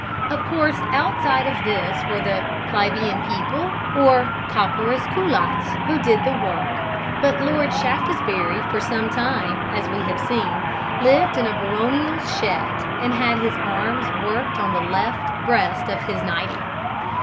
Of course outside of this were the plebeian people, or copperas culottes, who did the work; but Lord Shaftesbury for some time, as we have seen, lived in a baronial shed and had his arms worked on the left breast of his nighty.